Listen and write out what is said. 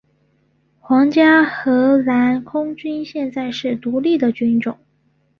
皇家荷兰空军现在是独立的军种。